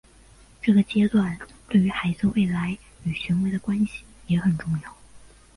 这个阶段对于孩子未来与权威的关系也很重要。